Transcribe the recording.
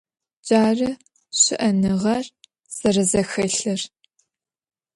Джары щыӏэныгъэр зэрэзэхэлъыр.